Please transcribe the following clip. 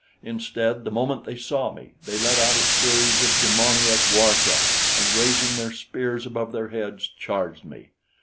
Instead, the moment they saw me, they let out a series of demoniac war cries, and raising their spears above their heads, charged me.